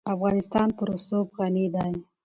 افغانستان په رسوب غني دی.